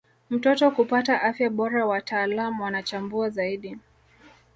mtoto kupata afya bora wataalam wanachambua zaidi